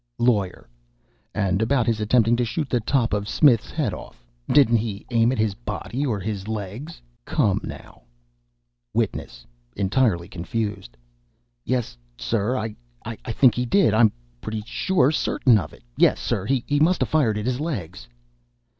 LAWYER. "And about his attempting to shoot the top of Smith's head off didn't he aim at his body, or his legs? Come now." WITNESS. (Entirely confused) "Yes, sir I think he did I I'm pretty certain of it. Yes, sir, he must a fired at his legs."